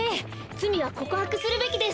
つみはこくはくするべきです。